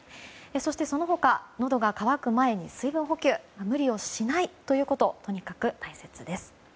そして、その他のどが渇く前に水分補給無理をしないということとにかく大切です。